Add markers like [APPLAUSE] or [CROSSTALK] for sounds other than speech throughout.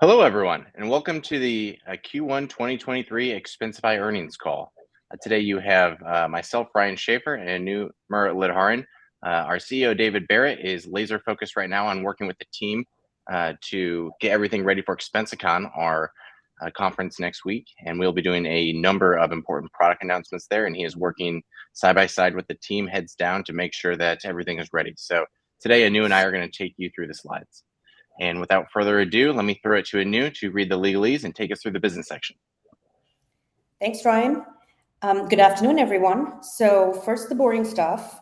Hello everyone, and welcome to the Q1 2023 Expensify earnings call. Today you have myself, Ryan Schaffer, and Anu Muralidharan. Our CEO, David Barrett, is laser-focused right now on working with the team to get everything ready for ExpensiCon, our conference next week, and we'll be doing a number of important product announcements there, and he is working side by side with the team, heads down to make sure that everything is ready. Today, Anu and I are gonna take you through the slides. Without further ado, let me throw it to Anu to read the legalese and take us through the business section. Thanks, Ryan. Good afternoon, everyone. First, the boring stuff.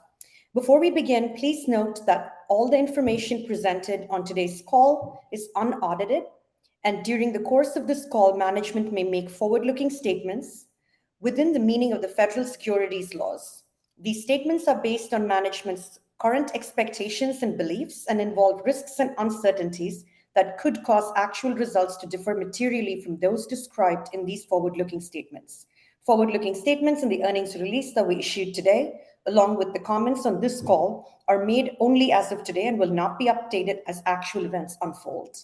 Before we begin, please note that all the information presented on today's call is unaudited, and during the course of this call, management may make forward-looking statements within the meaning of the federal securities laws. These statements are based on management's current expectations and beliefs and involve risks and uncertainties that could cause actual results to differ materially from those described in these forward-looking statements. Forward-looking statements in the earnings release that we issued today, along with the comments on this call, are made only as of today and will not be updated as actual events unfold.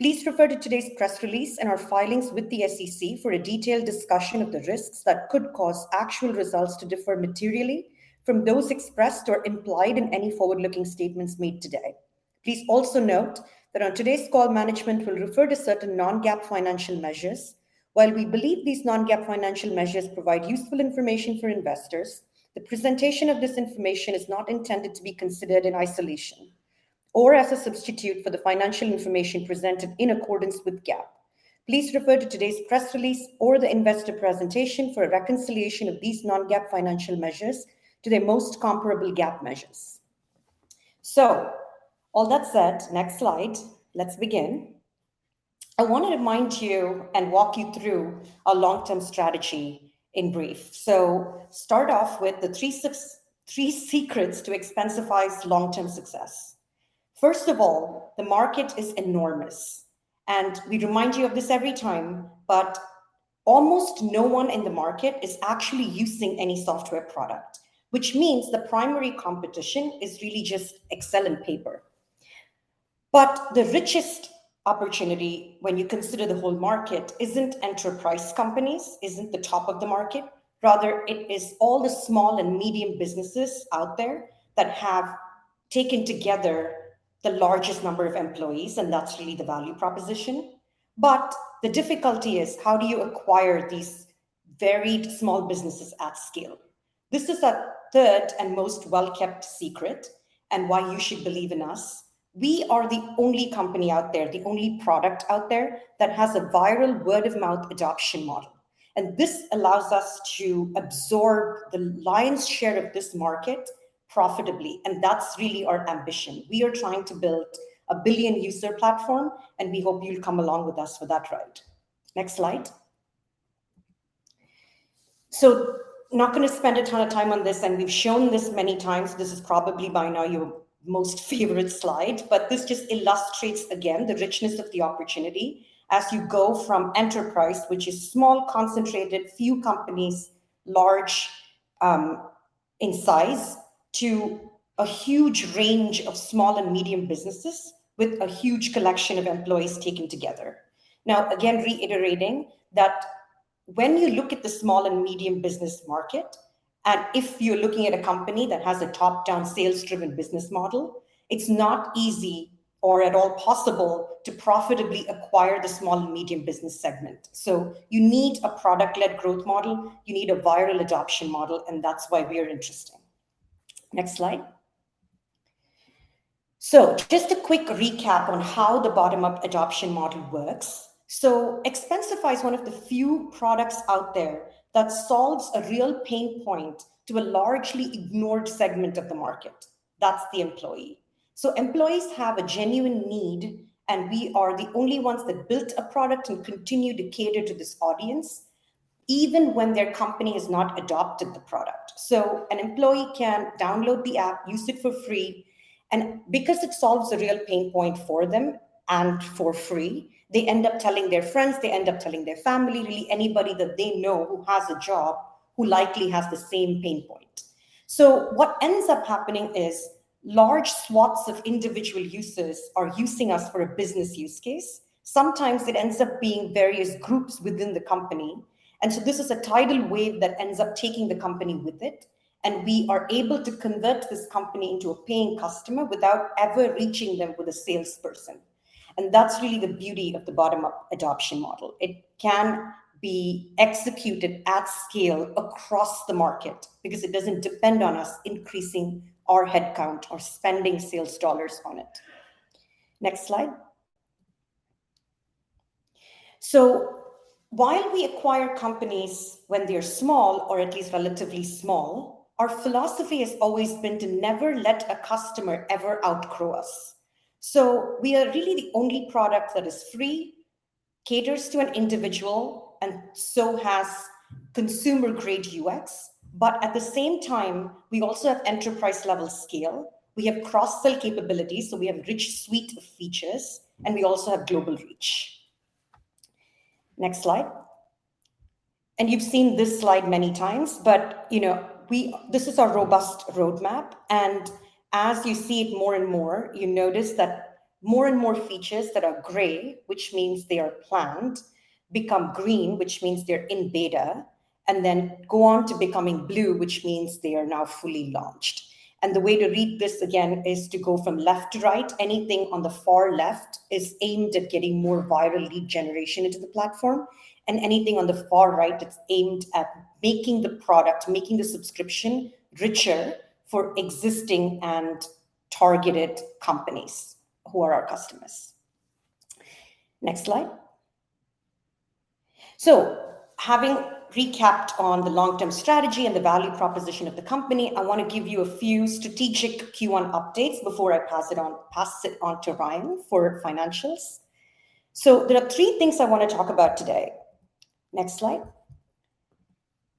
Please refer to today's press release and our filings with the SEC for a detailed discussion of the risks that could cause actual results to differ materially from those expressed or implied in any forward-looking statements made today. Please also note that on today's call, management will refer to certain non-GAAP financial measures. While we believe these non-GAAP financial measures provide useful information for investors, the presentation of this information is not intended to be considered in isolation or as a substitute for the financial information presented in accordance with GAAP. Please refer to today's press release or the investor presentation for a reconciliation of these non-GAAP financial measures to their most comparable GAAP measures. All that said, next slide. Let's begin. I wanna remind you and walk you through our long-term strategy in brief. Start off with the three secrets to Expensify's long-term success. First of all, the market is enormous, and we remind you of this every time, but almost no one in the market is actually using any software product, which means the primary competition is really just Excel and paper. The richest opportunity when you consider the whole market isn't enterprise companies, isn't the top of the market. Rather, it is all the small and medium businesses out there that have taken together the largest number of employees, and that's really the value proposition. The difficulty is: how do you acquire these varied small businesses at scale? This is our third and most well-kept secret and why you should believe in us. We are the only company out there, the only product out there, that has a viral word-of-mouth adoption model, and this allows us to absorb the lion's share of this market profitably, and that's really our ambition. We are trying to build a billion-user platform, and we hope you'll come along with us for that ride. Next slide. Not gonna spend a ton of time on this, and we've shown this many times. This is probably by now your most favorite slide, but this just illustrates again the richness of the opportunity as you go from enterprise, which is small, concentrated, few companies, large, in size, to a huge range of small and medium businesses with a huge collection of employees taken together. Again, reiterating that when you look at the small and medium business market, and if you're looking at a company that has a top-down sales-driven business model, it's not easy or at all possible to profitably acquire the small and medium business segment. You need a product-led growth model. You need a viral adoption model, and that's why we are interesting. Next slide. Just a quick recap on how the bottom-up adoption model works. Expensify is one of the few products out there that solves a real pain point to a largely ignored segment of the market. That's the employee. Employees have a genuine need, and we are the only ones that built a product and continue to cater to this audience even when their company has not adopted the product. An employee can download the app, use it for free, and because it solves a real pain point for them and for free, they end up telling their friends, they end up telling their family, really anybody that they know who has a job, who likely has the same pain point. What ends up happening is large swaths of individual users are using us for a business use case. Sometimes it ends up being various groups within the company. This is a tidal wave that ends up taking the company with it, and we are able to convert this company into a paying customer without ever reaching them with a salesperson, and that's really the beauty of the bottom-up adoption model. It can be executed at scale across the market because it doesn't depend on us increasing our head count or spending sales dollars on it. Next slide. While we acquire companies when they're small, or at least relatively small, our philosophy has always been to never let a customer ever outgrow us. We are really the only product that is free, caters to an individual, and so has consumer-grade UX, but at the same time, we also have enterprise-level scale. We have cross-sell capabilities, so we have a rich suite of features, and we also have global reach. Next slide. You've seen this slide many times, but, you know, this is our robust roadmap, and as you see it more and more, you notice that more and more features that are gray, which means they are planned, become green, which means they are in beta, and then go on to becoming blue, which means they are now fully launched. The way to read this again is to go from left to right. Anything on the far left is aimed at getting more viral lead generation into the platform, and anything on the far right, it's aimed at making the product, making the subscription richer for existing and targeted companies who are our customers. Next slide. Having recapped on the long-term strategy and the value proposition of the company, I wanna give you a few strategic Q1 updates before I pass it on to Ryan for financials. There are three things I wanna talk about today. Next slide.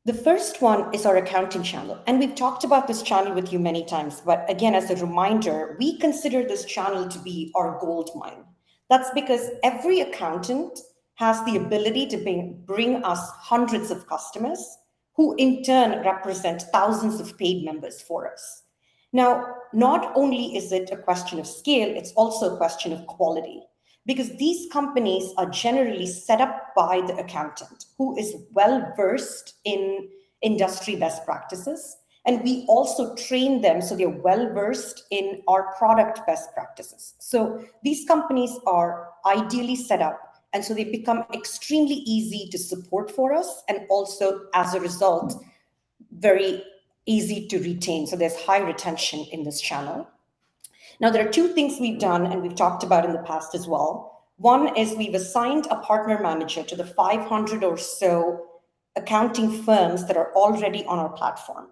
The first one is our accounting channel, and we've talked about this channel with you many times, but again, as a reminder, we consider this channel to be our goldmine. That's because every accountant has the ability to bring us hundreds of customers who in turn represent thousands of paid members for us. Not only is it a question of scale, it's also a question of quality because these companies are generally set up by the accountant who is well-versed in industry best practices, and we also train them, so they're well-versed in our product best practices. These companies are ideally set up, and so they become extremely easy to support for us and also, as a result, very easy to retain, so there's high retention in this channel. There are two things we've done, and we've talked about in the past as well. One is we've assigned a partner manager to the 500 or so accounting firms that are already on our platform.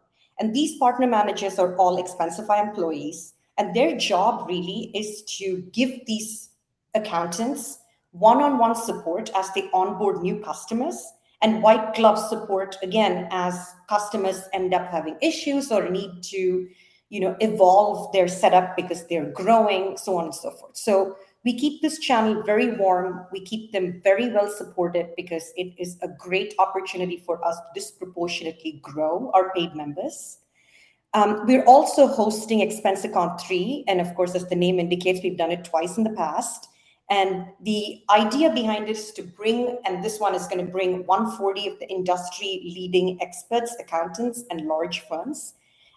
These partner managers are all Expensify employees, and their job really is to give these accountants one-on-one support as they onboard new customers and white glove support again as customers end up having issues or need to, you know, evolve their setup because they're growing, so on and so forth. We keep this channel very warm. We keep them very well supported because it is a great opportunity for us to disproportionately grow our paid members. We're also hosting ExpensiCon 3, and of course, as the name indicates, we've done it twice in the past. The idea behind this and this one is gonna bring 140 of the industry-leading experts, accountants, and large firms,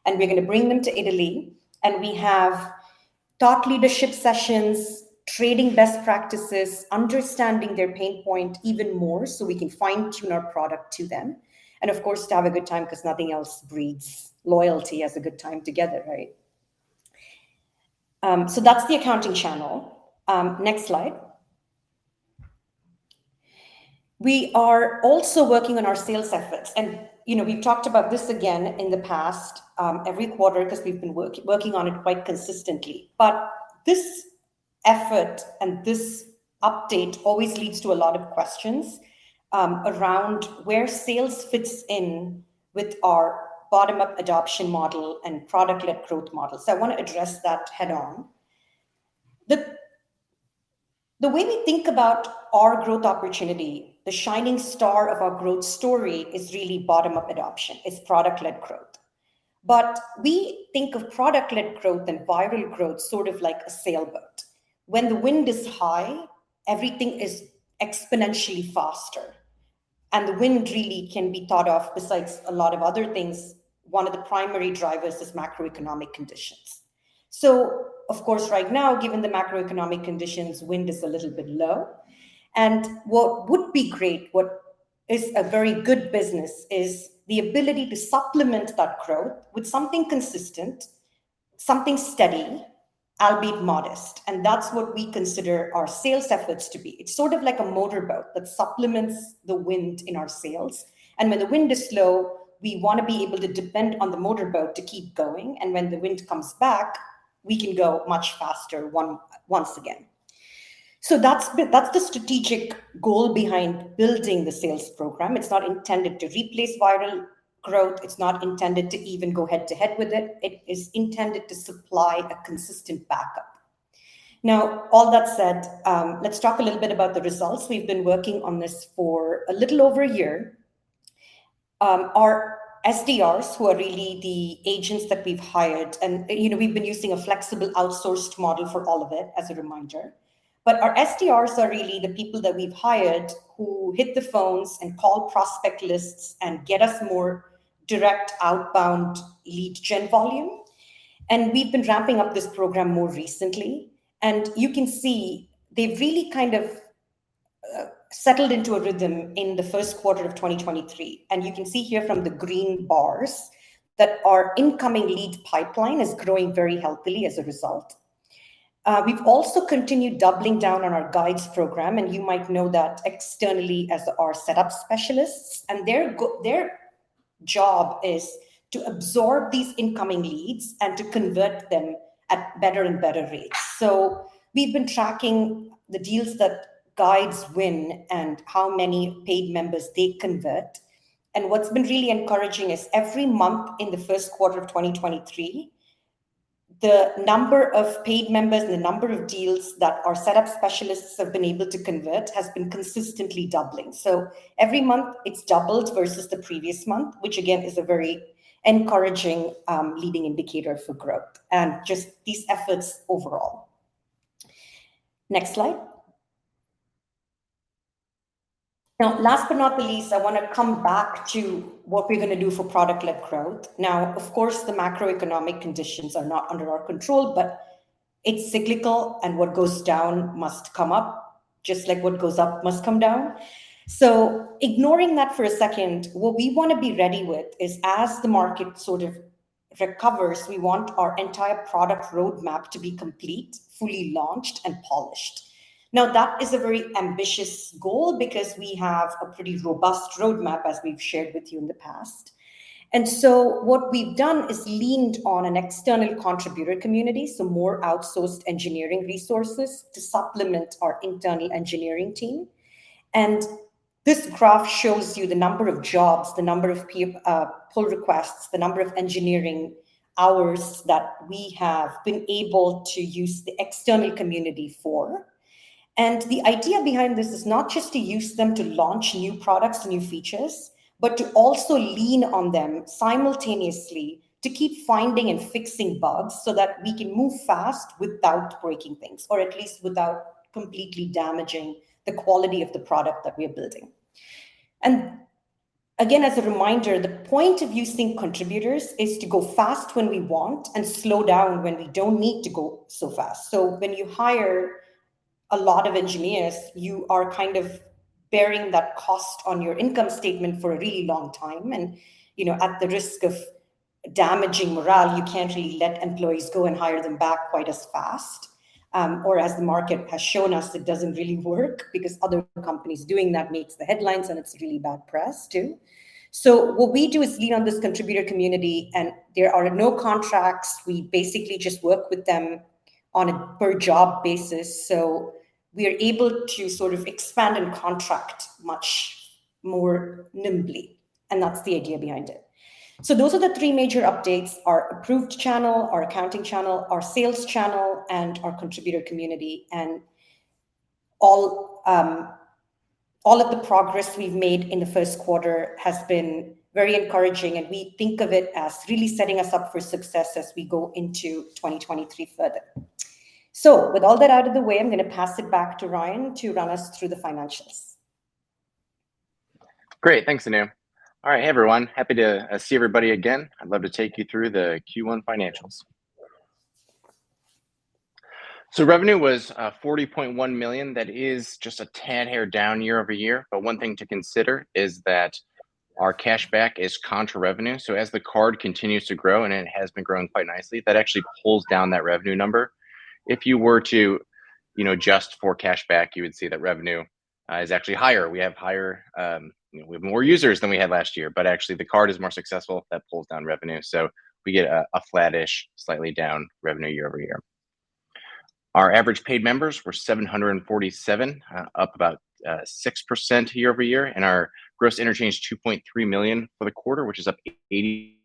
and we're gonna bring them to Italy. We have thought leadership sessions, trading best practices, understanding their pain point even more, so we can fine-tune our product to them, and of course, to have a good time 'cause nothing else breeds loyalty as a good time together, right? That's the accounting channel. Next slide. We are also working on our sales efforts, and, you know, we've talked about this again in the past, every quarter 'cause we've been working on it quite consistently. This effort and this update always leads to a lot of questions around where sales fits in with our bottom-up adoption model and product-led growth model. I wanna address that head-on. The way we think about our growth opportunity, the shining star of our growth story is really bottom-up adoption, is product-led growth. We think of product-led growth and viral growth sort of like a sailboat. When the wind is high, everything is exponentially faster, and the wind really can be thought of, besides a lot of other things, one of the primary drivers is macroeconomic conditions. Of course, right now, given the macroeconomic conditions, wind is a little bit low. What would be great, what is a very good business is the ability to supplement that growth with something consistent, something steady, albeit modest, and that's what we consider our sales efforts to be. It's sort of like a motorboat that supplements the wind in our sails, and when the wind is slow, we wanna be able to depend on the motorboat to keep going, and when the wind comes back, we can go much faster once again. That's the strategic goal behind building the sales program. It's not intended to replace viral growth. It's not intended to even go head-to-head with it. It is intended to supply a consistent backup. All that said, let's talk a little bit about the results. We've been working on this for a little over a year. Our SDRs, who are really the agents that we've hired, and, you know, we've been using a flexible outsourced model for all of it, as a reminder, but our SDRs are really the people that we've hired who hit the phones and call prospect lists and get us more direct outbound lead gen volume. We've been ramping up this program more recently. You can see they've really kind of settled into a rhythm in the 1st quarter of 2023, and you can see here from the green bars that our incoming lead pipeline is growing very healthily as a result. We've also continued doubling down on our guides program, and you might know that externally as our setup specialists, and their job is to absorb these incoming leads and to convert them at better and better rates. We've been tracking the deals that guides win and how many paid members they convert. What's been really encouraging is every month in the first quarter of 2023. The number of paid members and the number of deals that our setup specialists have been able to convert has been consistently doubling. Every month it's doubled versus the previous month, which again, is a very encouraging leading indicator for growth and just these efforts overall. Next slide. Last but not least, I want to come back to what we're going to do for product-led growth. Of course, the macroeconomic conditions are not under our control, but it's cyclical, and what goes down must come up, just like what goes up must come down. Ignoring that for a second, what we want to be ready with is as the market sort of recovers, we want our entire product roadmap to be complete, fully launched and polished. That is a very ambitious goal because we have a pretty robust roadmap, as we've shared with you in the past. What we've done is leaned on an external contributor community, so more outsourced engineering resources to supplement our internal engineering team. This graph shows you the number of jobs, the number of pull requests, the number of engineering hours that we have been able to use the external community for. The idea behind this is not just to use them to launch new products, new features, but to also lean on them simultaneously to keep finding and fixing bugs so that we can move fast without breaking things, or at least without completely damaging the quality of the product that we are building. Again, as a reminder, the point of using contributors is to go fast when we want and slow down when we don't need to go so fast. When you hire a lot of engineers, you are kind of bearing that cost on your income statement for a really long time. You know, at the risk of damaging morale, you can't really let employees go and hire them back quite as fast. Or as the market has shown us, it doesn't really work because other companies doing that makes the headlines, and it's really bad press too. What we do is lean on this contributor community, and there are no contracts. We basically just work with them on a per job basis, so we are able to sort of expand and contract much more nimbly, and that's the idea behind it. Those are the three major updates, our approved channel, our accounting channel, our sales channel, and our contributor community. All of the progress we've made in the first quarter has been very encouraging, and we think of it as really setting us up for success as we go into 2023 further. With all that out of the way, I'm going to pass it back to Ryan to run us through the financials. Great. Thanks, Anu. All right. Hey, everyone. Happy to see everybody again. I'd love to take you through the Q1 financials. Revenue was $40.1 million. That is just a tad hair down year-over-year. One thing to consider is that our cashback is contra revenue. As the card continues to grow, and it has been growing quite nicely, that actually pulls down that revenue number. If you were to, you know, adjust for cashback, you would see that revenue is actually higher. We have higher, you know, we have more users than we had last year, but actually the card is more successful. That pulls down revenue. We get a flattish, slightly down revenue year-over-year. Our average paid members were 747, up about 6% year-over-year. Our gross interchange, $2.3 million for the quarter, which is up 85%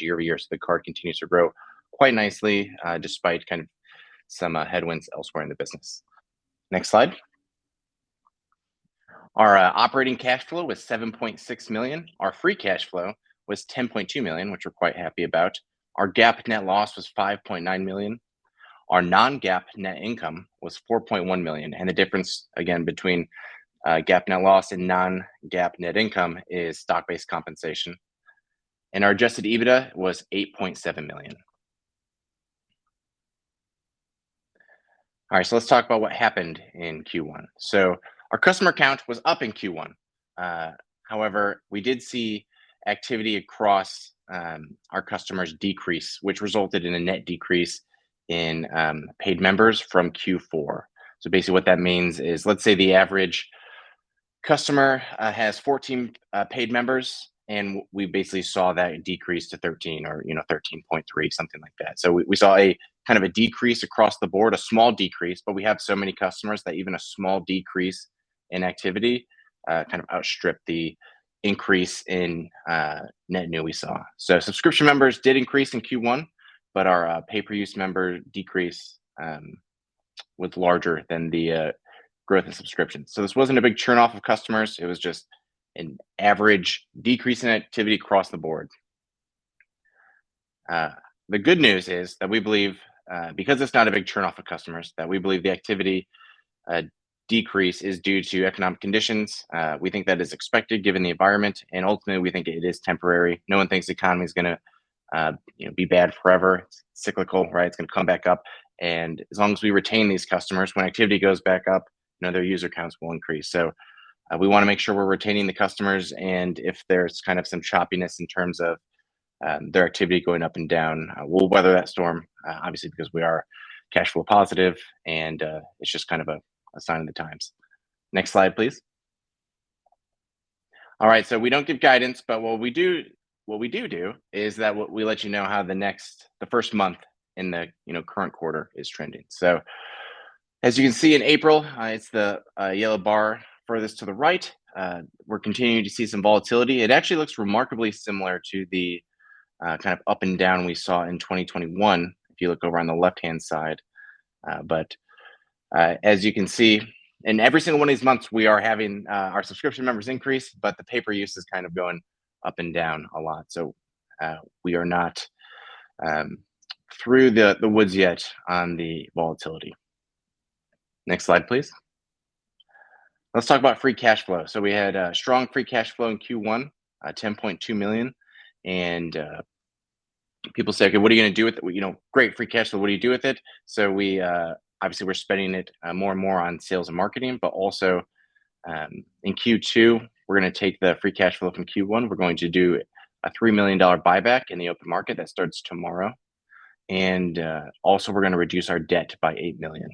year-over-year. The card continues to grow quite nicely, despite kind of some headwinds elsewhere in the business. Next slide. Our operating cash flow was $7.6 million. Our free cash flow was $10.2 million, which we're quite happy about. Our GAAP net loss was $5.9 million. Our non-GAAP net income was $4.1 million. The difference, again, between GAAP net loss and non-GAAP net income is stock-based compensation. Our adjusted EBITDA was $8.7 million. Let's talk about what happened in Q1. Our customer count was up in Q1. However, we did see activity across our customers decrease, which resulted in a net decrease in paid members from Q4. Basically what that means is, let's say the average customer has 14 paid members, and we basically saw that decrease to 13 or, you know, 13.3, something like that. We saw a kind of a decrease across the board, a small decrease, but we have so many customers that even a small decrease in activity kind of outstripped the increase in net new we saw. Subscription members did increase in Q1, but our pay-per-use member decrease was larger than the growth in subscriptions. This wasn't a big churn off of customers. It was just an average decrease in activity across the board. The good news is that we believe, because it's not a big churn off of customers, that we believe the activity decrease is due to economic conditions. We think that is expected given the environment, and ultimately, we think it is temporary. No one thinks the economy is going to, you know, be bad forever. It's cyclical, right? It's going to come back up. As long as we retain these customers, when activity goes back up, you know, their user counts will increase. We want to make sure we're retaining the customers, and if there's kind of some choppiness in terms of their activity going up and down, we'll weather that storm, obviously because we are cash flow positive and it's just kind of a sign of the times. Next slide, please. We don't give guidance, but what we do do is that we let you know how the first month in the, you know, current quarter is trending. As you can see in April, it's the yellow bar furthest to the right, we're continuing to see some volatility. It actually looks remarkably similar to the kind of up and down we saw in 2021, if you look over on the left-hand side. As you can see in every single one of these months we are having our subscription numbers increase, but the pay-per-use is kind of going up and down a lot. We are not through the woods yet on the volatility. Next slide, please. Let's talk about free cash flow. We had a strong free cash flow in Q1, $10.2 million, and people say, "Okay, what are you gonna do with it?" You know, great free cash flow, what do you do with it? We obviously we're spending it more and more on sales and marketing, but also in Q2 we're gonna take the free cash flow from Q1, we're going to do a $3 million buyback in the open market. That starts tomorrow. Also we're gonna reduce our debt by $8 million.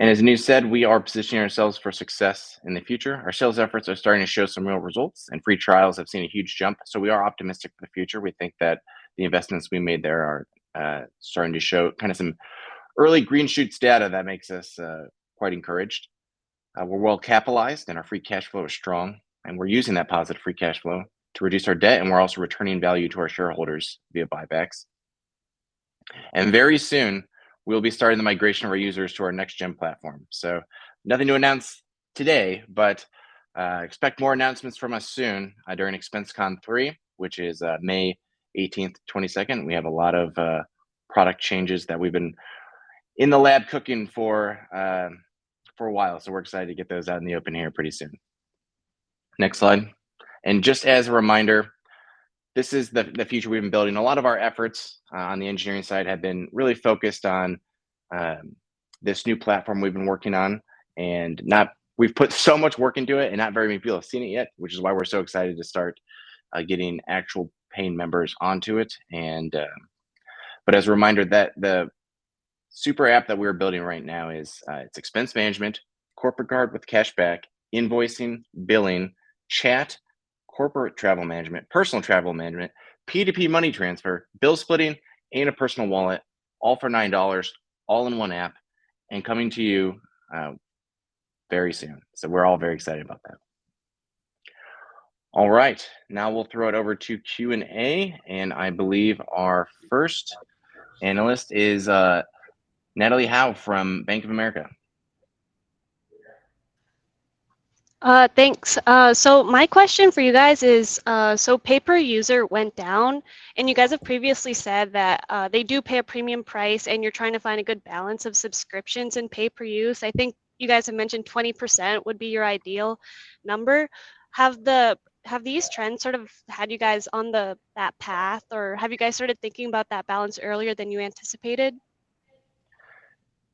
As Anu said, we are positioning ourselves for success in the future. Our sales efforts are starting to show some real results, and free trials have seen a huge jump, so we are optimistic for the future. We think that the investments we made there are starting to show kind of some early green shoots data that makes us quite encouraged. We're well capitalized and our free cash flow is strong, and we're using that positive free cash flow to reduce our debt, and we're also returning value to our shareholders via buybacks. Very soon we'll be starting the migration of our users to our next-gen platform. Nothing to announce today, but expect more announcements from us soon during ExpensiCon 3, which is May 18th to 22nd. We have a lot of product changes that we've been in the lab cooking for a while, we're excited to get those out in the open here pretty soon. Next slide. Just as a reminder, this is the future we've been building. A lot of our efforts on the engineering side have been really focused on this new platform we've been working on. We've put so much work into it, and not very many people have seen it yet, which is why we're so excited to start getting actual paying members onto it. But as a reminder that the Super App that we're building right now is, it's expense management, corporate card with cash back, invoicing, billing, chat, corporate travel management, personal travel management, P2P money transfer, bill splitting, and a personal wallet, all for $9, all in one app, and coming to you very soon. We're all very excited about that. All right. Now we'll throw it over to Q&A. I believe our first analyst is Natalie Howe from Bank of America. Thanks. My question for you guys is, pay-per-user went down, and you guys have previously said that they do pay a premium price, and you're trying to find a good balance of subscriptions and pay-per-use. I think you guys have mentioned 20% would be your ideal number. Have these trends sort of had you guys on that path, or have you guys started thinking about that balance earlier than you anticipated?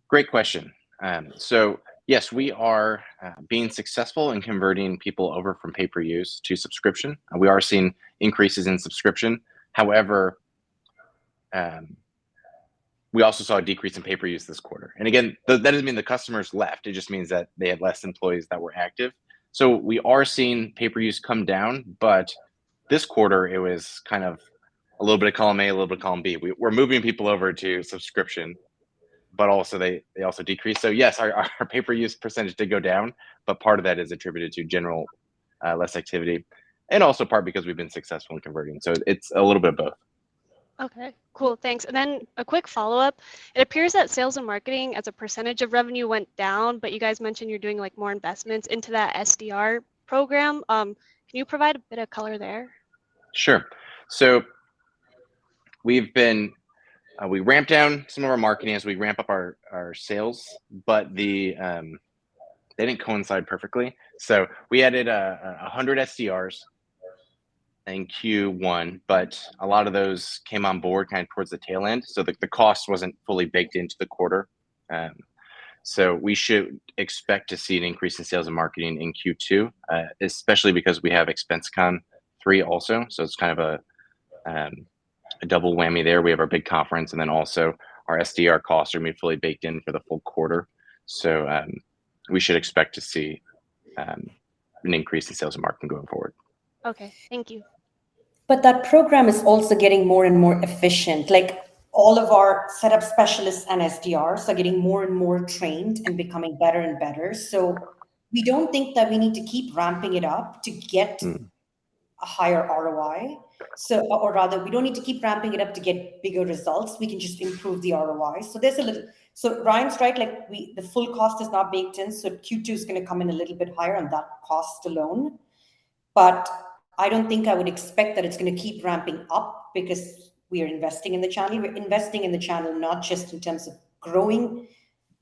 Great question. Yes, we are being successful in converting people over from pay-per-use to subscription. We are seeing increases in subscription. However, we also saw a decrease in pay-per-use this quarter. Again, that doesn't mean the customers left. It just means that they had less employees that were active. We are seeing pay-per-use come down, but this quarter it was kind of a little bit of column A, a little bit of column B. We're moving people over to subscription, but also they also decreased. Yes, our pay-per-use percentage did go down, but part of that is attributed to general less activity, and also part because we've been successful in converting. It's a little bit of both. Okay. Cool. Thanks. A quick follow-up: It appears that sales and marketing as a percentage of revenue went down, but you guys mentioned you're doing, like, more investments into that SDR program. Can you provide a bit of color there? Sure. We've been... we ramped down some of our marketing as we ramp up our sales, but they didn't coincide perfectly. We added 100 SDRs in Q1, but a lot of those came on board kind of towards the tail end, so the cost wasn't fully baked into the quarter. We should expect to see an increase in sales and marketing in Q2, especially because we have ExpensiCon 3 also, it's kind of a double whammy there. We have our big conference, and then also our SDR costs are gonna be fully baked in for the full quarter. We should expect to see an increase in sales and marketing going forward. Okay. Thank you. That program is also getting more and more efficient. Like, all of our setup specialists and SDRs are getting more and more trained and becoming better and better. We don't think that we need to keep ramping it up. Mm. A higher ROI. Or rather, we don't need to keep ramping it up to get bigger results. We can just improve the ROI. Ryan's right. Like, the full cost is now baked in, so Q2's gonna come in a little bit higher on that cost alone. I don't think I would expect that it's gonna keep ramping up because we are investing in the channel. We're investing in the channel not just in terms of growing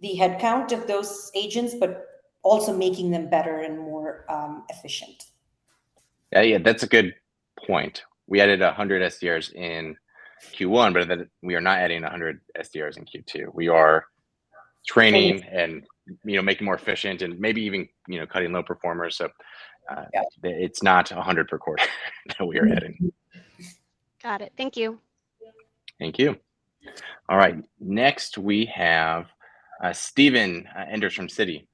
the head count of those agents, but also making them better and more efficient. Yeah, yeah, that's a good point. We added 100 SDRs in Q1, we are not adding 100 SDRs in Q2. We are training, and, you know, making them more efficient and maybe even, you know, cutting low performers. Yeah it's not 100 per quarter that we are adding. Got it. Thank you. Thank you. All right. Next we have Steven Enders from Citi.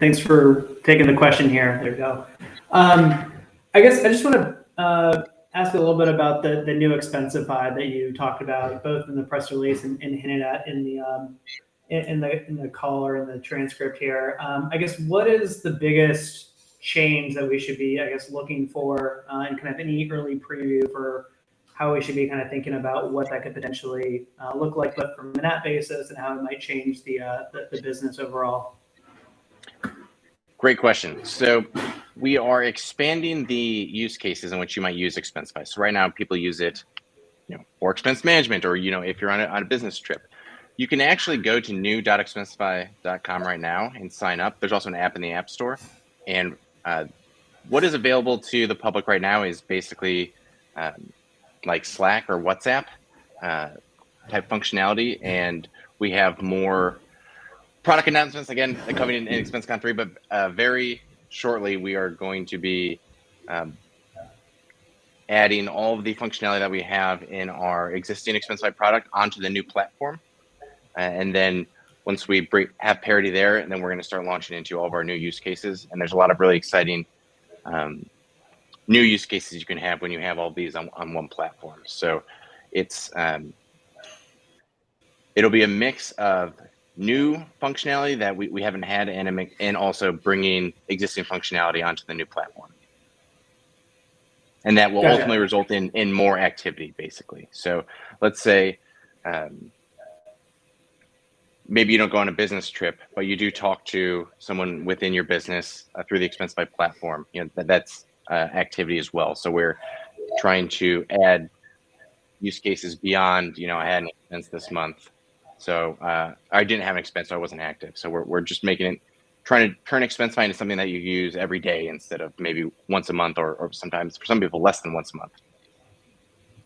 Thanks for taking the question here. There you go. I guess I just wanna ask a little bit about the new Expensify that you talked about, both in the press release and hinted at in the call or in the transcript here. I guess what is the biggest change that we should be, I guess, looking for? Kind of any early preview for how we should be kinda thinking about what that could potentially look like, both from an app basis and how it might change the business overall? Great question. We are expanding the use cases in which you might use Expensify. Right now people use it, you know, for expense management or, you know, if you're on a, on a business trip. You can actually go to new.expensify.com right now and sign up. There's also an app in the App Store. What is available to the public right now is basically like Slack or WhatsApp type functionality, and we have more product announcements, again, coming in ExpensiCon 3, but very shortly we are going to be adding all the functionality that we are have in our existing Expensify product onto the new platform. Once we have parity there, and then we're gonna start launching into all of our new use cases, and there's a lot of really exciting new use cases you can have when you have all these on one platform. It'll be a mix of new functionality that we haven't had and also bringing existing functionality onto the new platform. Got it. That will ultimately result in more activity, basically. Let's say, maybe you don't go on a business trip, but you do talk to someone within your business, through the Expensify platform. You know, that's activity as well. We're trying to add use cases beyond, you know, I had no expense this month, so I didn't have an expense, so I wasn't active. We're just making it. Trying to turn Expensify into something that you use every day instead of maybe once a month or sometimes for some people, less than once a month.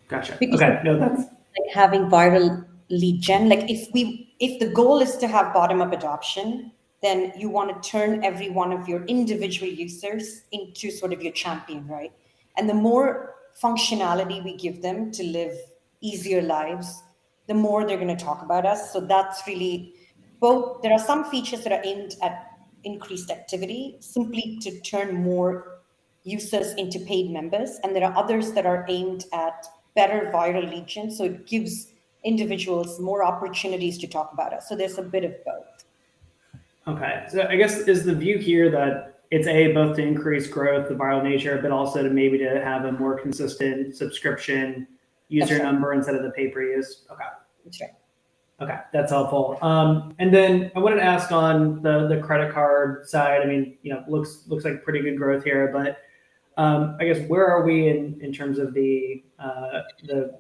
Gotcha. Okay. No, that's. Because like having viral lead gen, like if the goal is to have bottom-up adoption, then you wanna turn every one of your individual users into sort of your champion, right? The more functionality we give them to live easier lives, the more they're gonna talk about us. That's really both... There are some features that are aimed at increased activity, simply to turn more users into paid members, and there are others that are aimed at better viral lead gen, so it gives individuals more opportunities to talk about us. There's a bit of both. I guess, is the view here that it's, A, both to increase growth, the viral nature, but also to maybe to have a more consistent subscription user-? Absolutely number instead of the pay-per-use? Okay. Sure. Okay. That's helpful. I wanted to ask on the credit card side, I mean, you know, looks like pretty good growth here, but, I guess where are we in terms of the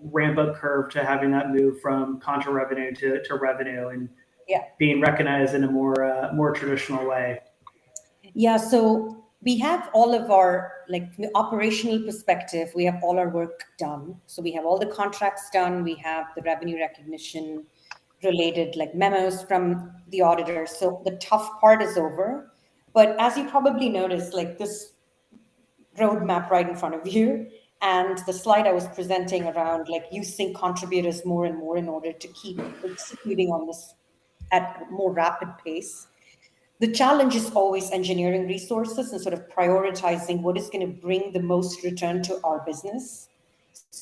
ramp-up curve to having that move from contra revenue to revenue? Yeah Being recognized in a more, more traditional way? Yeah. We have all of our, like the operational perspective, we have all our work done. We have all the contracts done, we have the revenue recognition related, like memos from the auditor. The tough part is over. As you probably noticed, like this roadmap right in front of you and the slide I was presenting around, like you seeing contributors more and more in order to keep executing on this at more rapid pace. The challenge is always engineering resources and sort of prioritizing what is gonna bring the most return to our business.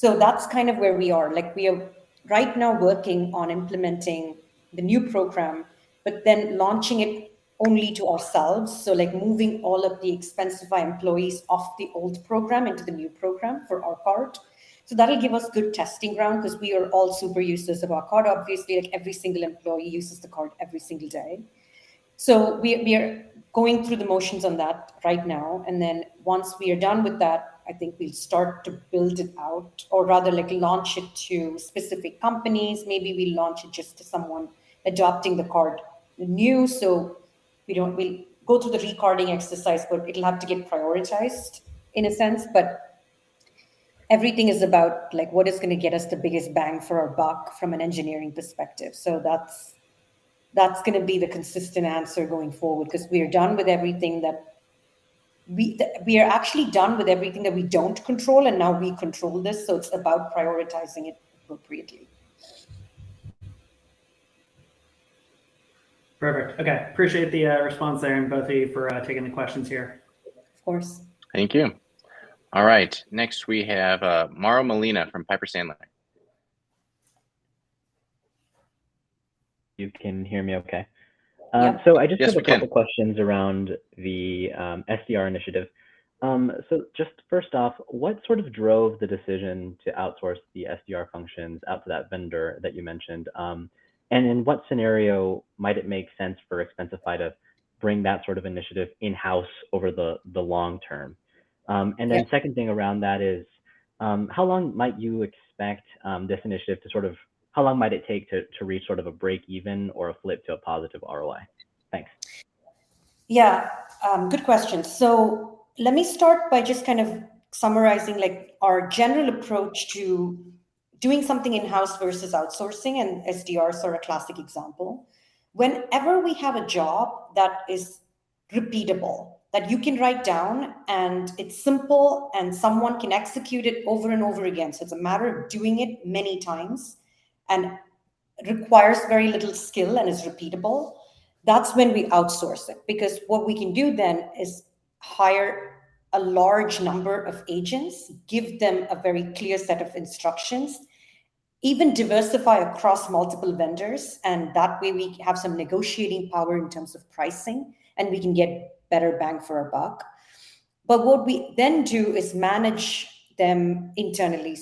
That's kind of where we are. Like we are right now working on implementing the new program, but then launching it only to ourselves, like moving all of the Expensify employees off the old program into the new program for our card. That'll give us good testing ground because we are all super users of our card. Obviously, like every single employee uses the card every single day. We are going through the motions on that right now, and then once we are done with that, I think we'll start to build it out or rather like launch it to specific companies. Maybe we launch it just to someone adopting the card new. We'll go through the re-carding exercise, but it'll have to get prioritized in a sense. Everything is about like, what is gonna get us the biggest bang for our buck from an engineering perspective. That's gonna be the consistent answer going forward, 'cause we are done with everything that we are actually done with everything that we don't control, and now we control this, so it's about prioritizing it appropriately. Perfect. Okay. Appreciate the response there and both of you for taking the questions here. Of course. Thank you. All right. Next we have, Mauro Molina from Piper Sandler. You can hear me okay? Yeah. Yes, we can. I just have a couple questions around the SDR initiative. First off, what sort of drove the decision to outsource the SDR functions out to that vendor that you mentioned? In what scenario might it make sense for Expensify to bring that sort of initiative in-house over the long term? Second thing around that is, how long might it take to reach sort of a break even or a flip to a positive ROI? Thanks. Yeah. Good question. Let me start by just kind of summarizing like our general approach to doing something in-house versus outsourcing. SDRs are a classic example. Whenever we have a job that is repeatable, that you can write down, and it's simple, and someone can execute it over and over again, so it's a matter of doing it many times and requires very little skill and is repeatable, that's when we outsource it. What we can do then is hire a large number of agents, give them a very clear set of instructions, even diversify across multiple vendors, and that way we have some negotiating power in terms of pricing, and we can get better bang for our buck. What we then do is manage them internally.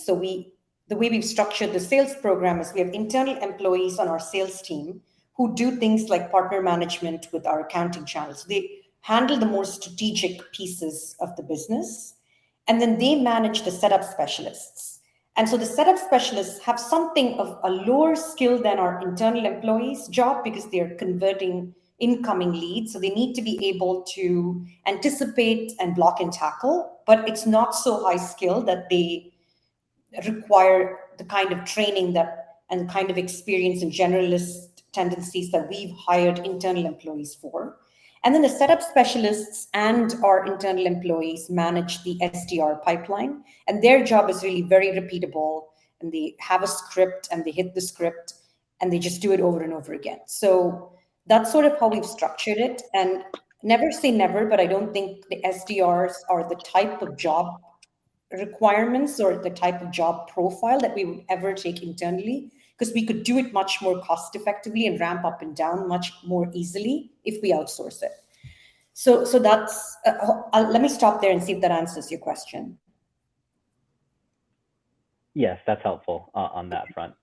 The way we've structured the sales program is we have internal employees on our sales team who do things like partner management with our accounting channels. They handle the more strategic pieces of the business, and then they manage the setup specialists. The setup specialists have something of a lower skill than our internal employees' job because they are converting incoming leads. They need to be able to anticipate and block and tackle. It's not so high skill that they require the kind of training that, and kind of experience and generalist tendencies that we've hired internal employees for. The setup specialists and our internal employees manage the SDR pipeline, and their job is really very repeatable, and they have a script, and they hit the script, and they just do it over and over again. That's sort of how we've structured it. Never say never, but I don't think the SDRs are the type of job requirements or the type of job profile that we would ever take internally, 'cause we could do it much more cost-effectively and ramp up and down much more easily if we outsource it. That's, let me stop there and see if that answers your question. Yes, that's helpful on that front.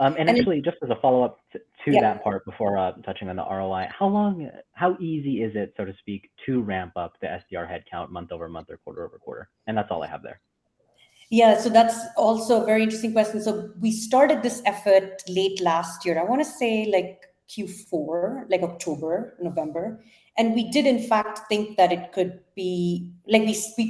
actually. And- Just as a follow-up to that part. Yeah... before, touching on the ROI, how long, how easy is it, so to speak, to ramp up the SDR headcount month-over-month or quarter-over-quarter? That's all I have there. Yeah. That's also a very interesting question. We started this effort late last year. I want to say, like, Q4, like October, November. We did in fact think that we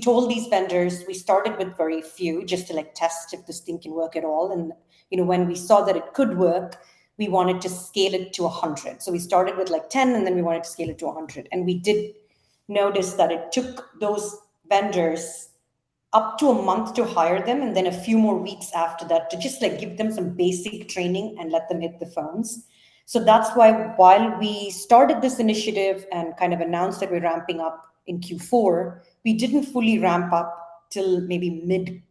told these vendors, we started with very few just to like test if this thing can work at all. You know, when we saw that it could work, we wanted to scale it to 100. We started with like 10, and then we wanted to scale it to 100. We did notice that it took those vendors up to a month to hire them, and then a few more weeks after that to just like give them some basic training and let them hit the phones. That's why while we started this initiative and kind of announced that we're ramping up in Q4, we didn't fully ramp up till maybe mid,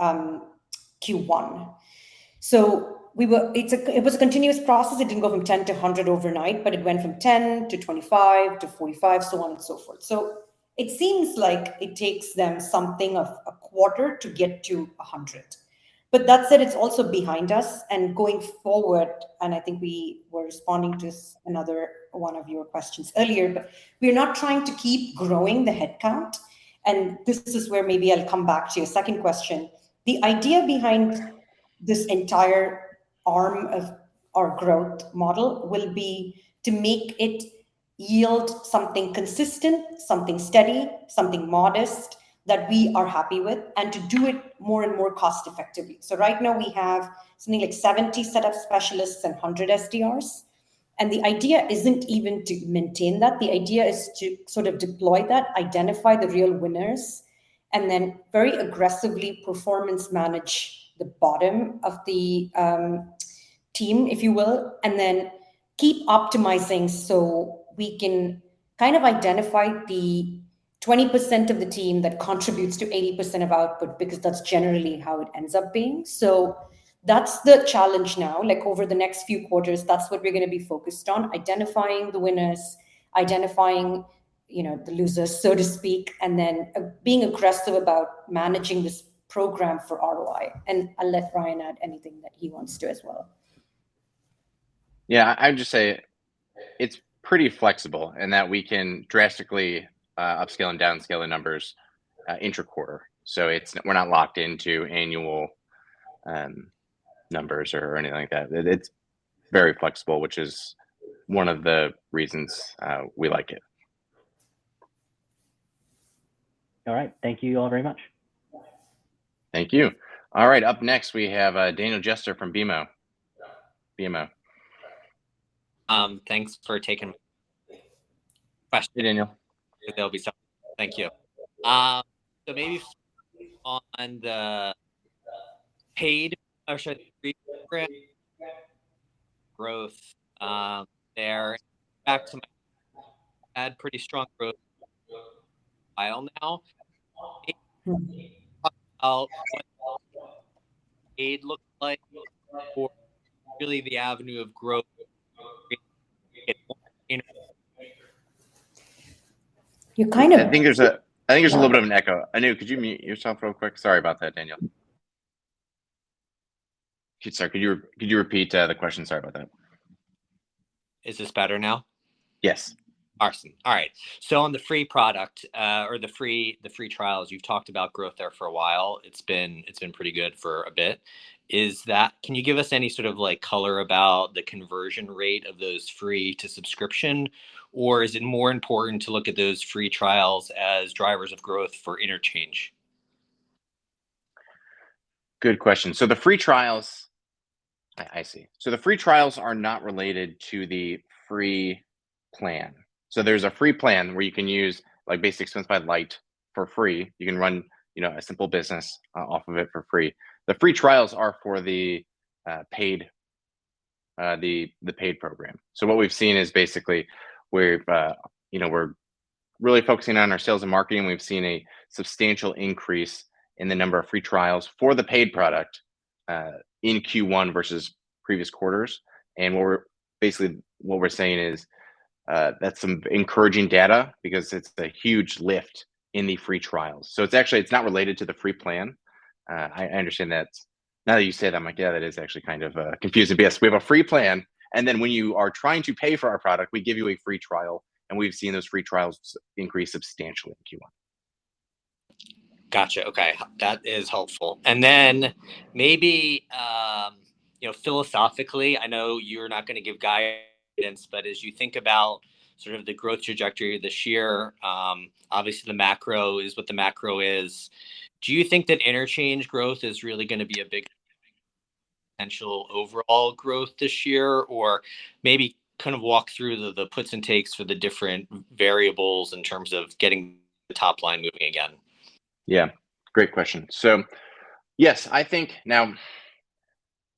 Q1. It was a continuous process. It didn't go from 10 to 100 overnight, but it went from 10 to 25 to 45, so on and so forth. It seems like it takes them something of a quarter to get to a 100. That said, it's also behind us, and going forward, and I think we were responding to another one of your questions earlier, but we are not trying to keep growing the headcount. This is where maybe I'll come back to your second question. The idea behind this entire arm of our growth model will be to make it yield something consistent, something steady, something modest that we are happy with, and to do it more and more cost-effectively. Right now we have something like 70 setup specialists and 100 SDRs. The idea isn't even to maintain that. The idea is to sort of deploy that, identify the real winners, and then very aggressively performance manage the bottom of the team, if you will, and then keep optimizing so we can kind of identify the 20% of the team that contributes to 80% of output, because that's generally how it ends up being. That's the challenge now. Like over the next few quarters, that's what we're gonna be focused on, identifying the winners, identifying, you know, the losers, so to speak, and then being aggressive about managing this program for ROI. I'll let Ryan add anything that he wants to as well. Yeah. I would just say it's pretty flexible in that we can drastically upscale and downscale the numbers inter-quarter. We're not locked into annual numbers or anything like that. It's very flexible, which is one of the reasons we like it. All right. Thank you all very much. Thank you. All right. Up next we have, Daniel Jester from BMO. BMO. Thanks for taking my question. Yeah, Daniel. Thank you. Maybe starting on the paid [AUDIO DISTORTION] growth there. Back to my [AUDIO DISTORTION] had pretty strong growth now. [AUDIO DISTORTION] aid look like for really the avenue of growth You. [AUDIO DISTORTION] I think there's a little bit of an echo. Anu, could you mute yourself real quick? Sorry about that, Daniel. Sorry, could you repeat the question? Sorry about that. Is this better now? Yes. Awesome. All right. On the free product, or the free, the free trials, you've talked about growth there for a while. It's been pretty good for a bit. Can you give us any sort of like color about the conversion rate of those free to subscription, or is it more important to look at those free trials as drivers of growth for interchange? Good question. The free trials. I see. The free trials are not related to the free plan. There's a free plan where you can use, like, basic Expensify Light for free. You can run, you know, a simple business off of it for free. The free trials are for the paid program. What we've seen is basically we're, you know, we're really focusing on our sales and marketing. We've seen a substantial increase in the number of free trials for the paid product in Q1 versus previous quarters. Basically what we're saying is that's some encouraging data because it's a huge lift in the free trials. It's not related to the free plan. I understand. Now that you say that, I'm like, "Yeah, that is actually kind of confusing." Yes, we have a free plan. Then when you are trying to pay for our product, we give you a free trial. We've seen those free trials increase substantially in Q1. Gotcha. Okay. That is helpful. Then maybe, you know, philosophically, I know you're not gonna give guidance, but as you think about sort of the growth trajectory this year, obviously the macro is what the macro is. Do you think that interchange growth is really gonna be a big potential overall growth this year? Maybe kind of walk through the puts and takes for the different variables in terms of getting the top line moving again? Great question. Now,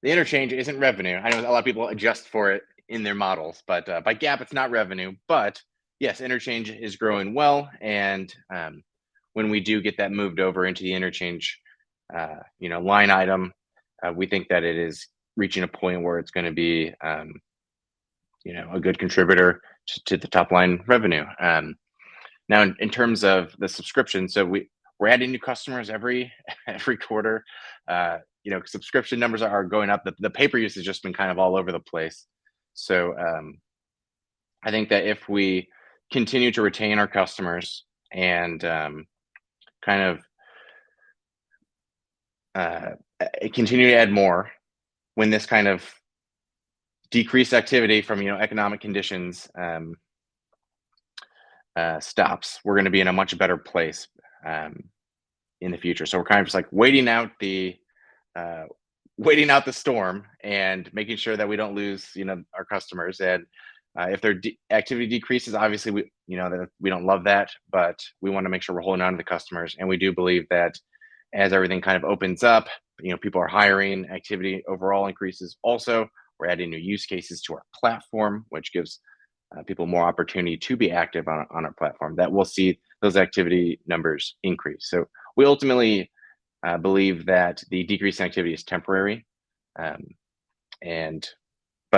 the interchange isn't revenue. I know a lot of people adjust for it in their models, but, by GAAP, it's not revenue. interchange is growing well, and, when we do get that moved over into the interchange, you know, line item, we think that it is reaching a point where it's gonna be, you know, a good contributor to the top line revenue. Now in terms of the subscription, we're adding new customers every quarter. you know, subscription numbers are going up. The pay-per-use has just been kind of all over the place. I think that if we continue to retain our customers and kind of continue to add more when this kind of decreased activity from, you know, economic conditions stops, we're gonna be in a much better place in the future. We're kind of just, like, waiting out the storm and making sure that we don't lose, you know, our customers. If their activity decreases, obviously we, you know, the, we don't love that, but we wanna make sure we're holding onto customers. We do believe that as everything kind of opens up, you know, people are hiring, activity overall increases. Also, we're adding new use cases to our platform, which gives people more opportunity to be active on our platform, that we'll see those activity numbers increase. We ultimately believe that the decreased activity is temporary.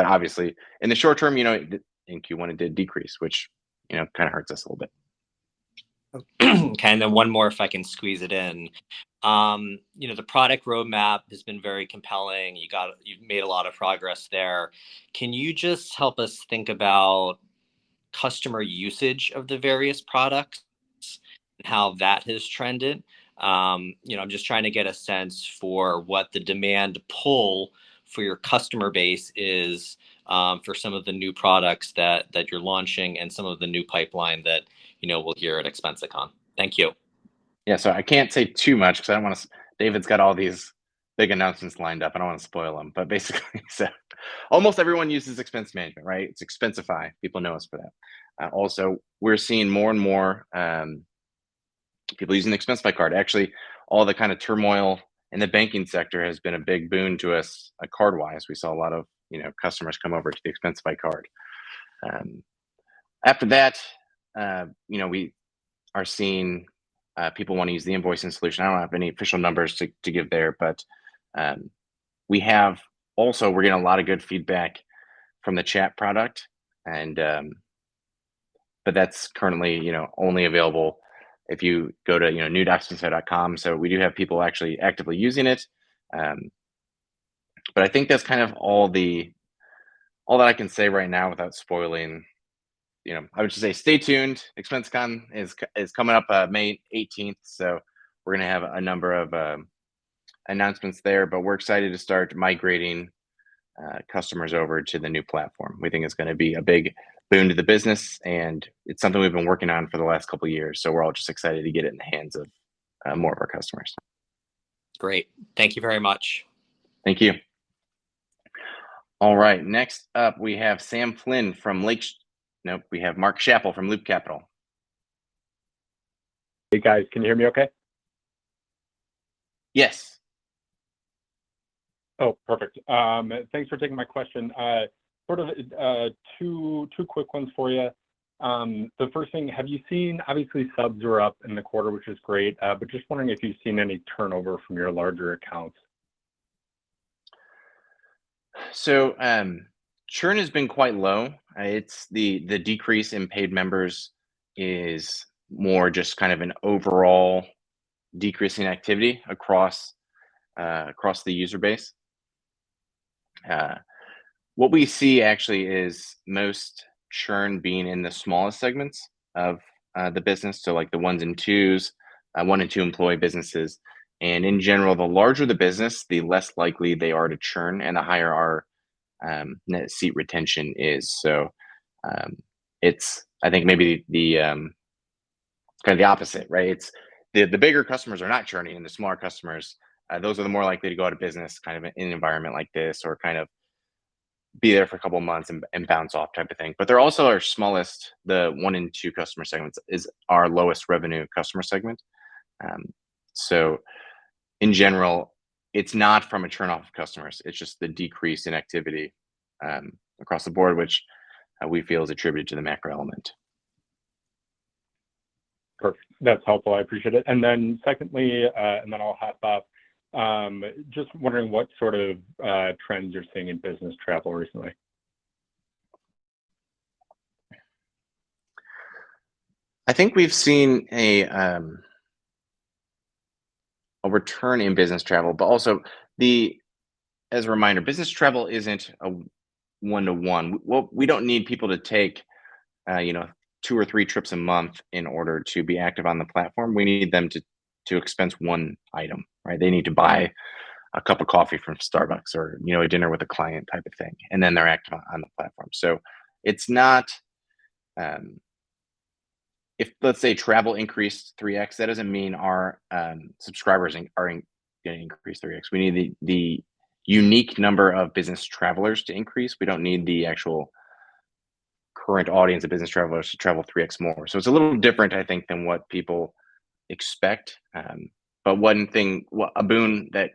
Obviously in the short term, you know, in Q1 it did decrease, which, you know, kind of hurts us a little bit. One more if I can squeeze it in. You know, the product roadmap has been very compelling. You've made a lot of progress there. Can you just help us think about customer usage of the various products and how that has trended? You know, I'm just trying to get a sense for what the demand pull for your customer base is, for some of the new products that you're launching and some of the new pipeline that, you know, we'll hear at ExpensiCon. Thank you. I can't say too much 'cause I don't wanna spoil them, basically almost everyone uses expense management, right? It's Expensify. People know us for that. We're seeing more and more people using the Expensify Card. Actually, all the kind of turmoil in the banking sector has been a big boon to us, card-wise. We saw a lot of, you know, customers come over to the Expensify Card. After that, you know, we are seeing people wanna use the invoicing solution. I don't have any official numbers to give there, but we have. We're getting a lot of good feedback from the chat product, and that's currently, you know, only available if you go to, you know, new.expensify.com. We do have people actually actively using it. I think that's kind of all that I can say right now without spoiling, you know. I would just say stay tuned. ExpensiCon is coming up, May 18th. We're gonna have a number of announcements there. We're excited to start migrating customers over to the new platform. We think it's gonna be a big boon to the business, and it's something we've been working on for the last couple years. We're all just excited to get it in the hands of more of our customers. Great. Thank you very much. Thank you. All right. Next up we have Sam Flynn from Lake... Nope. We have Mark Schappel from Loop Capital. Hey, guys. Can you hear me okay? Yes. Oh, perfect. Thanks for taking my question. Sort of two quick ones for you. The first thing, have you seen... Obviously subs were up in the quarter, which is great, but just wondering if you've seen any turnover from your larger accounts. Churn has been quite low. It's the decrease in paid members is more just kind of an overall decrease in activity across the user base. What we see actually is most churn being in the smallest segments of the business, like, the ones and twos, one and two employee businesses. In general, the larger the business, the less likely they are to churn, and the higher our net seat retention is. It's... I think maybe It's kind of the opposite, right? It's the bigger customers are not churning and the smaller customers, those are the more likely to go out of business kind of in an environment like this or kind of be there for a couple months and bounce off type of thing. They're also our smallest, the one in two customer segments is our lowest revenue customer segment. In general, it's not from a churn off of customers, it's just the decrease in activity across the board, which we feel is attributed to the macro element. Perfect. That's helpful. I appreciate it. Secondly, and then I'll hop off, just wondering what sort of trends you're seeing in business travel recently. I think we've seen a return in business travel. As a reminder, business travel isn't a one-to-one. We don't need people to take, you know, two or three trips a month in order to be active on the platform. We need them to expense one item, right? They need to buy a cup of coffee from Starbucks or, you know, a dinner with a client type of thing, and then they're active on the platform. It's not. If let's say travel increased 3x, that doesn't mean our subscribers are gonna increase 3x. We need the unique number of business travelers to increase. We don't need the actual current audience of business travelers to travel 3x more. It's a little different, I think, than what people expect. One thing, a boon that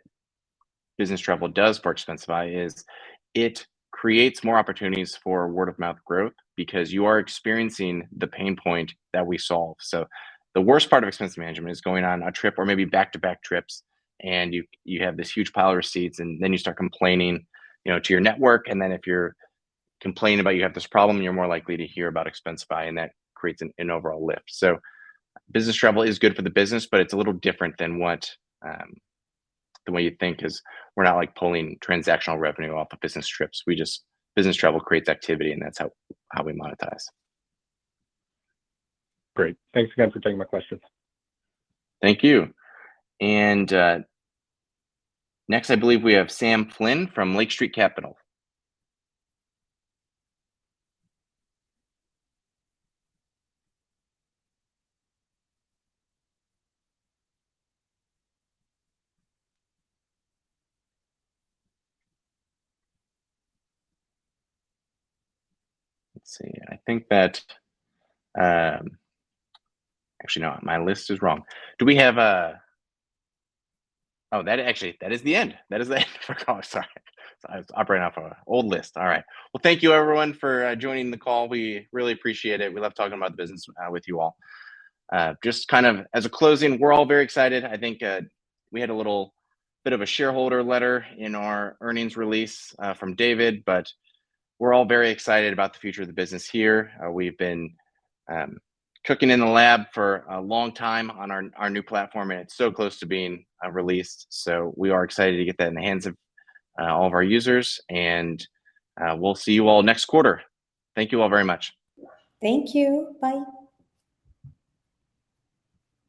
business travel does for Expensify is it creates more opportunities for word-of-mouth growth because you are experiencing the pain point that we solve. The worst part of expense management is going on a trip or maybe back-to-back trips and you have this huge pile of receipts, and then you start complaining, you know, to your network. If you're complaining about you have this problem, you're more likely to hear about Expensify, and that creates an overall lift. Business travel is good for the business, but it's a little different than what the way you think because we're not, like, pulling transactional revenue off of business trips. We just, business travel creates activity, and that's how we monetize. Great. Thanks again for taking my questions. Thank you. Next, I believe we have Sam Flynn from Lake Street Capital. Let's see. I think that. Actually, no, my list is wrong. That actually, that is the end. That is the end of the call. Sorry. I was operating off an old list. All right. Thank you everyone for joining the call. We really appreciate it. We love talking about the business with you all. Just kind of as a closing, we're all very excited. I think we had a little bit of a shareholder letter in our earnings release from David. We're all very excited about the future of the business here. We've been cooking in the lab for a long time on our new platform, and it's so close to being released. We are excited to get that in the hands of, all of our users. We'll see you all next quarter. Thank you all very much. Thank you. Bye.